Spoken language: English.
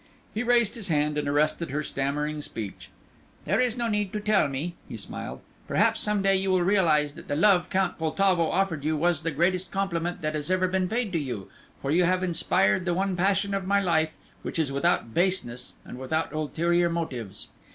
He raised his hand and arrested her stammering speech. "There is no need to tell me," he smiled; "perhaps some day you will realize that the love Count Poltavo offered you was the greatest compliment that has ever been paid to you, for you have inspired the one passion of my life which is without baseness and without ulterior motives."